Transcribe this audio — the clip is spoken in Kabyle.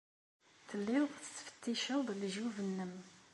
Telliḍ tettfetticeḍ lejyub-nnem.